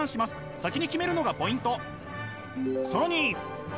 先に決めるのがポイント！